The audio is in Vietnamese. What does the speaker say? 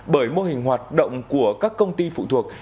bởi mô hình hoạt động của các công ty phụ thuộc